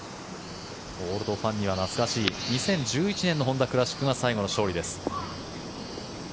オールドファンには懐かしい２０１１年のホンダ・クラシックが最後の勝利です。